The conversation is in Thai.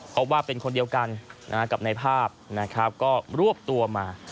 เขาว่าเป็นคนเดียวกันกับในภาพก็รวบตัวมา